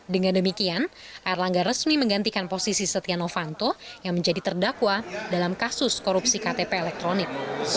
dengan demikian erlangga resmi menggantikan posisi setia novanto yang menjadi terdakwa dalam kasus korupsi ktp elektronik